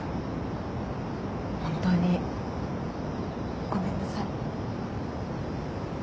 本当にごめんなさい。